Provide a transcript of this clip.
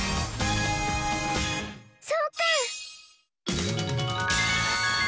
そうか！